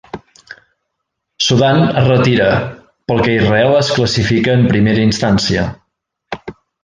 Sudan es retira, pel que Israel es classifica en primera instància.